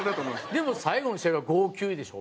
でも最後の試合は号泣でしょ？